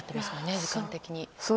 時間的に。